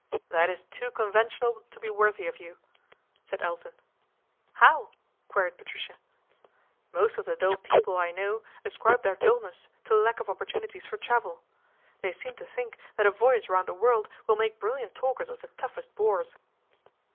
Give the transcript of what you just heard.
" That is too conventional to be worthy of you," said Elton. " How ?" queried Patricia. " Most of the dull people I know ascribe their dullness to lack of opportunities for travel. They seem to think that a voyage round the world will make brilliant talkers of the toughest bores."